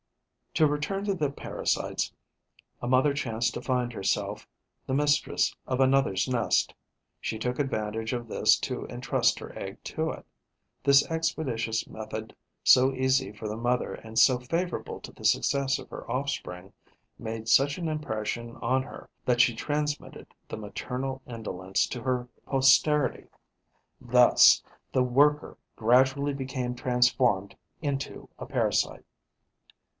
To return to the parasites: a mother chanced to find herself the mistress of another's nest. She took advantage of this to entrust her egg to it. This expeditious method, so easy for the mother and so favourable to the success of her offspring, made such an impression on her that she transmitted the maternal indolence to her posterity. Thus the worker gradually became transformed into a parasite.